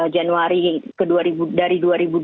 januari ke dua ribu dari dua ribu dua puluh satu